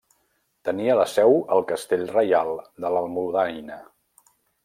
Tenia la seu al castell reial de l'Almudaina.